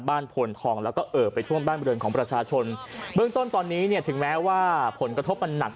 พลทองแล้วก็เอ่อไปท่วมบ้านบริเวณของประชาชนเบื้องต้นตอนนี้เนี่ยถึงแม้ว่าผลกระทบมันหนัก